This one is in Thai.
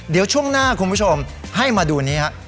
เดี๋ยวช่วงหน้าคุณผู้ชมให้มาดูนี้ครับ